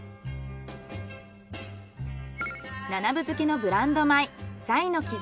７分づきのブランド米